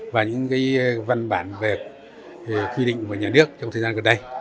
và những văn bản về quy định của nhà nước trong thời gian gần đây